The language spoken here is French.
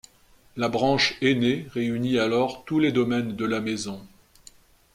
La branche aînée réunit alors tous les domaines de la Maison.